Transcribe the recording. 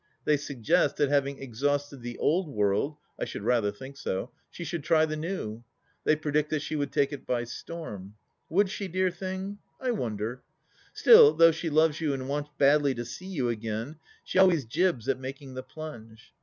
They suggest, that having exhausted the Old World — I should rather think so — she should try the New. They predict that she would take it by storm. Would she, dear thing ?... I wonder !... Still, though she loves you and wants badly to see you again, she always jibs at making the plunge.